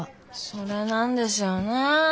それなんですよね。